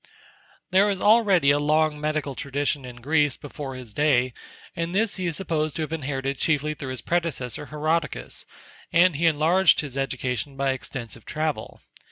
There was already a long medical tradition in Greece before his day, and this he is supposed to have inherited chiefly through his predecessor Herodicus; and he enlarged his education by extensive travel.